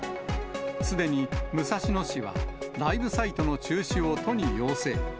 すでに武蔵野市は、ライブサイトの中止を都に要請。